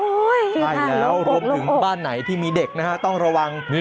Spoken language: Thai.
โอ้โฮโอ้โฮโอ้โฮใช่แล้วรบถึงบ้านไหนที่มีเด็กต้องระวัง